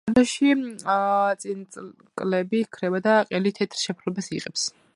ზამთარში წინწკლები ქრება და ყელი თეთრ შეფერილობას იღებს.